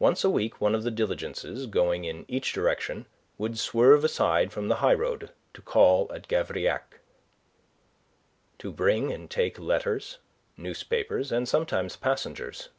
Once a week one of the diligences going in each direction would swerve aside from the highroad to call at Gavrillac, to bring and take letters, newspapers, and sometimes passengers.